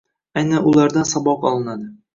Aynan ulardan saboq olinadi.